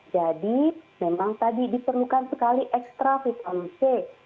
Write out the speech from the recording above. jadi memang tadi diperlukan sekali ekstra vitamin c